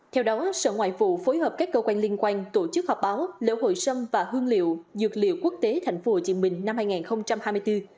theo đó sở ngoại vụ phối hợp các cơ quan liên quan tổ chức họp báo lễ hội sâm và hương liệu dược liệu quốc tế tp hcm năm hai nghìn hai mươi bốn